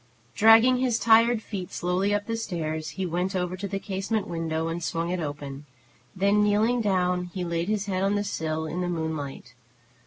Dragging his tired feet slowly up the stairs, he went over to the casement window, and swung it open; then, kneeling down, he laid his head on the sill, in the moonlight.